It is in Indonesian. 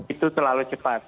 itu terlalu cepat